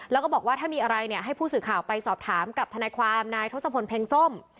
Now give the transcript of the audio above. แล้วก็บอกว่าถ้ามีอะไรเนี่ยให้ผู้สื่อข่าวไปสอบถามกับทนายความนายทศพลเพ็งส้ม